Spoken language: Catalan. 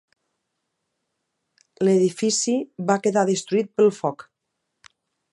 L'edifici va quedar destruït pel foc.